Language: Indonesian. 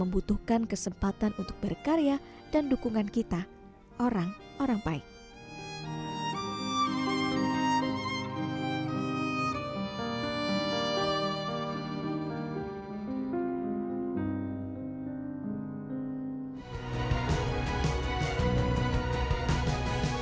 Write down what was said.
membutuhkan kesempatan untuk berkarya dan dukungan kita orang orang yang berpengalaman untuk menjaga kebaikan kita